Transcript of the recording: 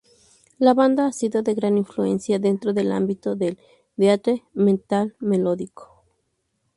La banda ha sido de gran influencia dentro del ámbito del death metal melódico.